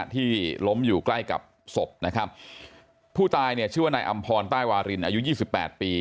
ที่ล้มอยู่ใกล้กับศพนะครับผู้ตายเนี่ยชื่อว่านายอำพรใต้วารินอายุยี่สิบแปดปี